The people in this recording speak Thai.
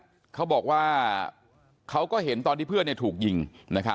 อายุ๑๐ปีนะฮะเขาบอกว่าเขาก็เห็นตอนที่เพื่อนถูกยิงนะครับ